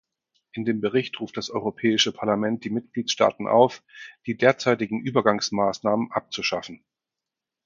In dem Bericht ruft das Europäische Parlament die Mitgliedstaaten auf, die derzeitigen Übergangsmaßnahmen abzuschaffen.